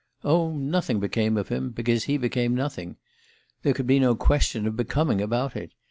"Oh, nothing became of him because he became nothing. There could be no question of 'becoming' about it.